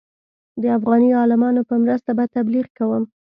د افغاني عالمانو په مرسته به تبلیغ کوم.